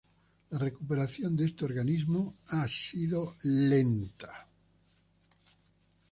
La recuperación de este organismo ha sido lenta.